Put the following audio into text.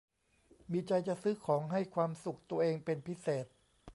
มีใจจะซื้อของให้ความสุขตัวเองเป็นพิเศษ